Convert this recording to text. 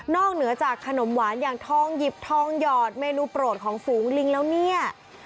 เหนือจากขนมหวานอย่างทองหยิบทองหยอดเมนูโปรดของฝูงลิงแล้วเนี่ย